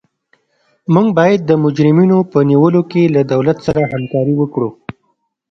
موږ باید د مجرمینو په نیولو کې له دولت سره همکاري وکړو.